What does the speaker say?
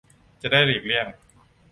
จะได้หลีกเลี่ยง